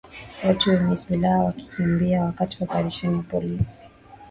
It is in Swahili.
watu wenye silaha wakikimbia wakati wa operesheni ya polisi